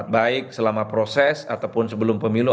baik selama proses ataupun sebelum pemilu